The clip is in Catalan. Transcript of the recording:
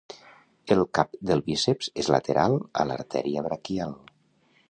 El cap del bíceps és lateral a l'artèria braquial.